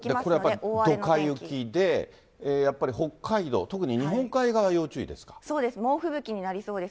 これやっぱりどか雪で、やっぱり北海道、特に日本海側、要注そうです、猛吹雪になりそうです。